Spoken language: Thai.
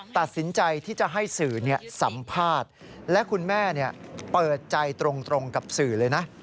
ตัดสินใจที่จะให้สื่อสัมภาษณ์และคุณแม่เปิดใจตรงกับสื่อเลยนะ